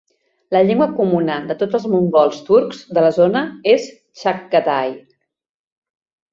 La llengua comuna de tots els mongols turcs de la zona és Chaghatay.